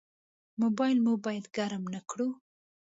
موبایل مو باید ګرم نه کړو.